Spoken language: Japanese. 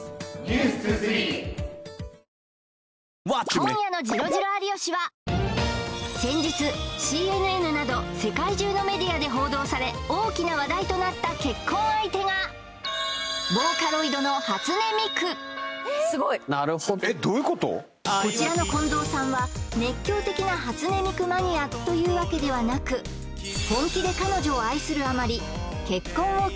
今夜の「ジロジロ有吉」は先日ＣＮＮなど世界中のメディアで報道され大きな話題となった結婚相手がすごいなるほどこちらの近藤さんは熱狂的な初音ミクマニアというわけではなく本気で彼女を愛するあまり